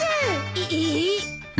ええっ！？